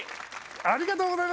ありがとうございます。